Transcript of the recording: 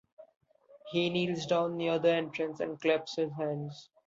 He kneels down near the entrance and claps his hands.